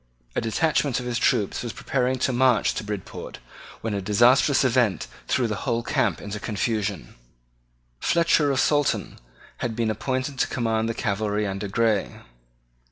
A detachment of his troops was preparing to march to Bridport when a disastrous event threw the whole camp into confusion. Fletcher of Saltoun had been appointed to command the cavalry under Grey.